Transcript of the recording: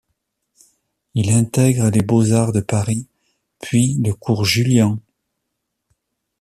Il intègre les Beaux-Arts de Paris puis le cours Julian.